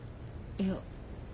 いや。